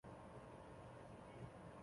张光辅人。